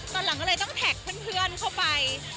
ตอนหลังก็เลยต้องแท็กเพื่อนเข้าไป